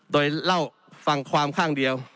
โดยเล่าฟังความข้างเดียว